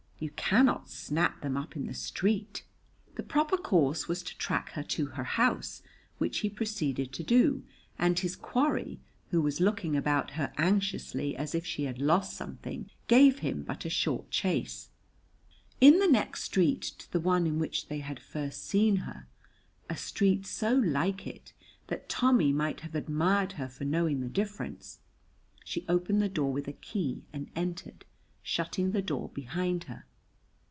You cannot snap them up in the street. The proper course was to track her to her house, which he proceeded to do, and his quarry, who was looking about her anxiously, as if she had lost something, gave him but a short chase. In the next street to the one in which they had first seen her, a street so like it that Tommy might have admired her for knowing the difference, she opened the door with a key and entered, shutting the door behind her.